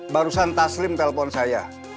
barusan taslim telepon saya